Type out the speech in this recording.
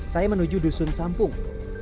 saya menuju dusun sampung